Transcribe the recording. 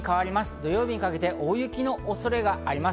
土曜日にかけて雪の恐れがあります。